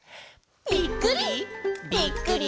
ぴっくり！